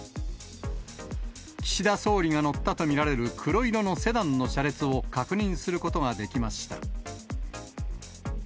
岸田総理が乗ったと見られる黒色のセダンの車列を確認することができました。